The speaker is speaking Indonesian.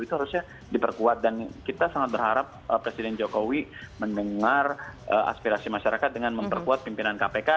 itu harusnya diperkuat dan kita sangat berharap presiden jokowi mendengar aspirasi masyarakat dengan memperkuat pimpinan kpk